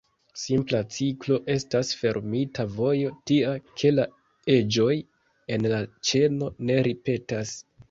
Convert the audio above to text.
Simpla ciklo estas fermita vojo tia, ke la eĝoj en la ĉeno ne ripetas.